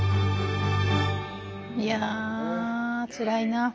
いやつらいな。